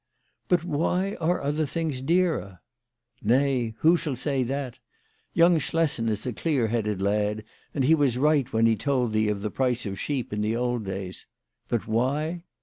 " But why are other things dearer ?"" Nay ; who shall say that ? Young Schlessen is a clear headed lad, and he was right when he told thee of the price of sheep in the old days. But why